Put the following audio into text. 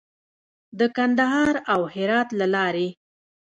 د کندهار او هرات له لارې.